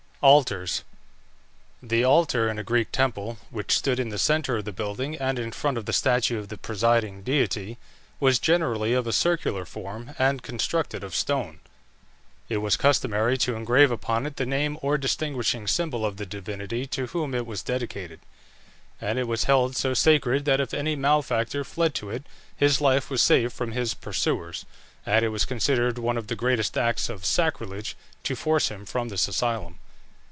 ALTARS. The altar in a Greek temple, which stood in the centre of the building and in front of the statue of the presiding deity, was generally of a circular form, and constructed of stone. It was customary to engrave upon it the name or distinguishing symbol of the divinity to whom it was dedicated; and it was held so sacred that if any malefactor fled to it his life was safe from his pursuers, and it was considered one of the greatest acts of sacrilege to force him from this asylum.